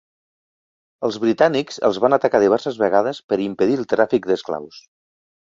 Els britànics els van atacar diverses vegades per impedir el tràfic d'esclaus.